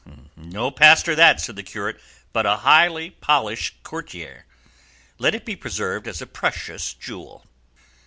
'" "No Pastor that," said the curate, "but a highly polished courtier; let it be preserved as a precious jewel."